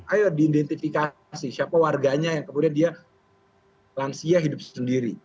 ayo diidentifikasi siapa warganya yang kemudian dia lansia hidup sendiri